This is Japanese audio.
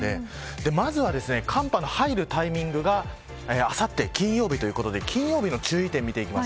まず寒波の入るタイミングがあさって金曜日ということで金曜日の注意点を見ていきます。